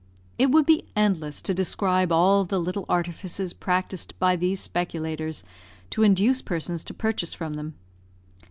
It would be endless to describe all the little artifices practised by these speculators to induce persons to purchase from them.